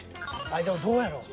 あっでもどうやろ？